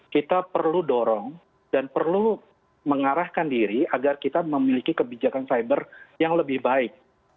kita perlu dorong dan perlu mengarahkan diri agar kita memiliki kebijakan cyber yang lebih baik